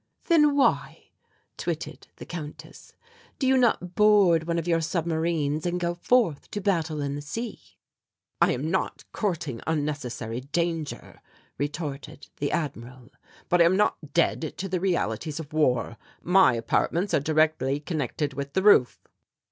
"Then why," twitted the Countess, "do you not board one of your submarines and go forth to battle in the sea?" "I am not courting unnecessary danger," retorted the Admiral; "but I am not dead to the realities of war. My apartments are directly connected with the roof."